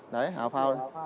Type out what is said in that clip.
đấy áo phao